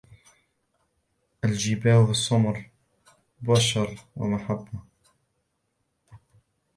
الجباه السمر بشر ومحبة